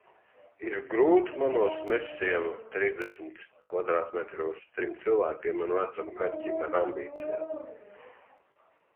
Ir grūti manos Mežciema trīsdesmit kvadrātmetros trim cilvēkiem un vecam kaķim ar ambīcijām.